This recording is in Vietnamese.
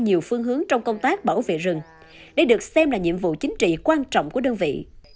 nhiều phương hướng trong công tác bảo vệ rừng đây được xem là nhiệm vụ chính trị quan trọng của đơn vị